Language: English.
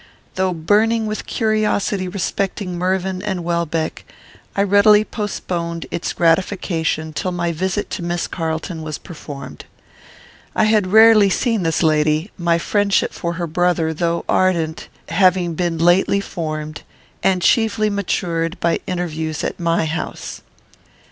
Though burning with curiosity respecting Mervyn and Welbeck, I readily postponed its gratification till my visit to Miss Carlton was performed. I had rarely seen this lady; my friendship for her brother, though ardent, having been lately formed, and chiefly matured by interviews at my house.